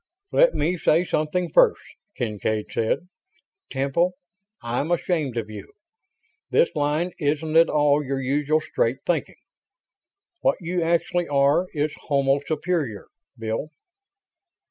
"Let me say something first," Kincaid said. "Temple, I'm ashamed of you. This line isn't at all your usual straight thinking. What you actually are is homo superior. Bill?"